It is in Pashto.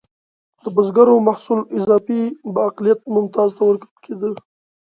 د بزګرو محصول اضافي به اقلیت ممتازو ته ورکول کېده.